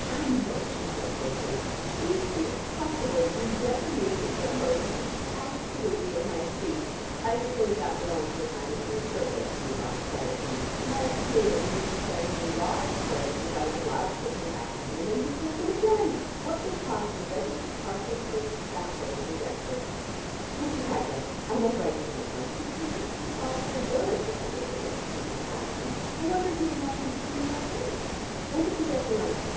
"Jumbo!" she said faintly. "Is it possible that you never knew that Jumbo used to be absolutely at my feet! I suppose that belonged to the time when he was frivolous, and you lost sight of him. My dear, he used to send me large pearls, which I was obliged to send back to him, and then he sent them again. What they cost in registered parcel post baffles conjecture. What's his address? I must write to him at once. He would think it too odd for words if I gave a dance and didn't ask him. I wonder he has not been to see me already. When did he get to London?"